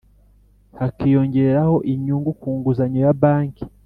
hakiyongeraho inyungu ku nguzanyo ya banki